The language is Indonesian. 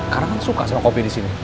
karena kan suka sama kopi disini